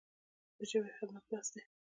د ژبې خدمت لوست دی.